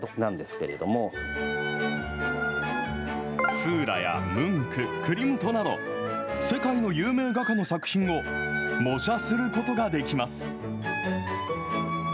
スーラやムンク、クリムトなど、世界の有名画家の作品を、模写することができます。